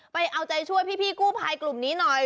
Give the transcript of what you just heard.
ไปเอาใจช่วยพี่กู้ภัยกลุ่มนี้หน่อย